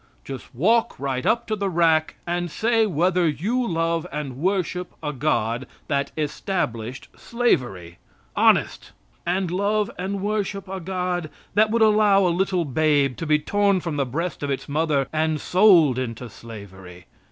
Just walk right up to the rack and say whether you love and worship a God that established slavery. Honest! And love and worship a God that would allow a little babe to be torn from the breast of its mother and sold into slavery.